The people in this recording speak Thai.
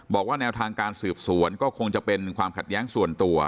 บอกว่าแนวทางการสืบสวนก็คงจะเป็นความขัดแย้งส่วนตัว